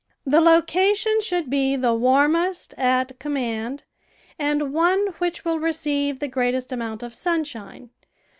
The location should be the warmest at com mand and one which will receive the greatest amount of sunshine.